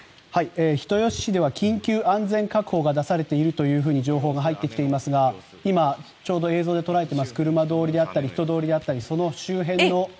人吉市では緊急安全確保が出されているというふうに情報が入ってきていますが今、ちょうど映像で捉えています車通りであったり人通りであったりその周辺の。